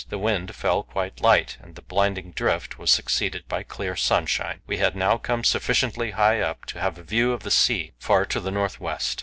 The wind fell quite light, and the blinding drift was succeeded by clear sunshine. We had now come sufficiently high up to have a view of the sea far to the north west.